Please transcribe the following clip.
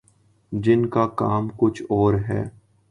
جن کا کام کچھ اور ہے۔